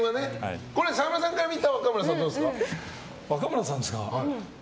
沢村さんから見た若村さんはどうですか？